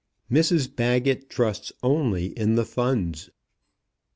MRS BAGGETT TRUSTS ONLY IN THE FUNDS.